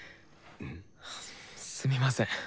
すみません。